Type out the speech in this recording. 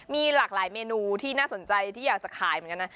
มีหลากหลายเมนูที่น่าสนใจที่อยากจะขายเหมือนกันนะ